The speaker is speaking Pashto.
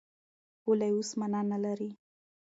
پولې اوس مانا نه لري.